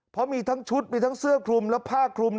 เพราะมีทั้งชุดมีทั้งเสื้อคลุมและผ้าคลุม